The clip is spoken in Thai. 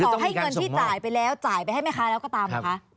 ให้เงินที่จ่ายไปแล้วจ่ายไปให้แม่ค้าแล้วก็ตามเหรอคะ